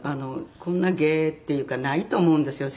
こんな芸っていうかないと思うんですよ